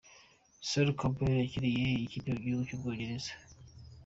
Sol Campbell yakiniye ikipe y' igihugu y' u Bwongereza.